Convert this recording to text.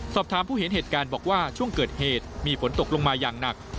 ผู้เห็นเหตุการณ์บอกว่าช่วงเกิดเหตุมีฝนตกลงมาอย่างหนัก